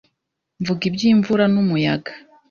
Mvuga iby’imvura n’umuyaga